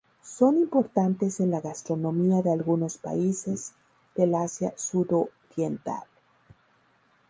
Son importantes en la gastronomía de algunos países del Asia Sudoriental.